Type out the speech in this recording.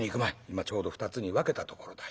今ちょうど２つに分けたところだ。